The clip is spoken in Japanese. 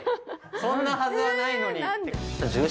そんなはずはないのに！